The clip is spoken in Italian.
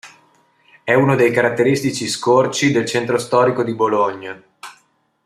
È uno dei caratteristici scorci del centro storico di Bologna.